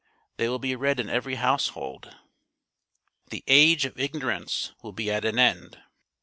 They will be read in every household. The age of ignorance will be at an end.